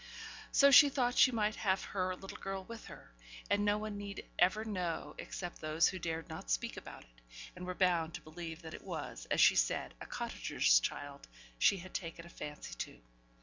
So she thought she might have her little girl with her, and no one need ever know except those who dared not speak about it, and were bound to believe that it was, as she said, a cottager's child she had taken a fancy to.